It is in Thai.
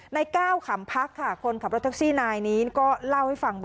ในก้าวขำพักค่ะคนขับรถแท็กซี่นายนี้ก็เล่าให้ฟัง